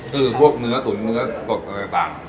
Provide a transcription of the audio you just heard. คือพวกเนื้อตุ๋นเนื้อสดอะไรต่าง